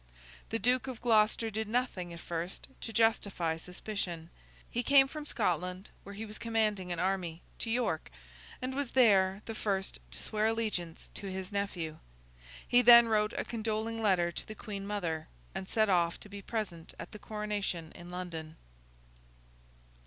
The Duke of Gloucester did nothing, at first, to justify suspicion. He came from Scotland (where he was commanding an army) to York, and was there the first to swear allegiance to his nephew. He then wrote a condoling letter to the Queen Mother, and set off to be present at the coronation in London.